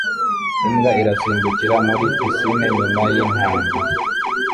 Imbwa irasimbukira muri pisine nyuma yintanga